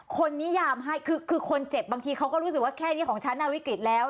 นิยามให้คือคนเจ็บบางทีเขาก็รู้สึกว่าแค่นี้ของฉันวิกฤตแล้ว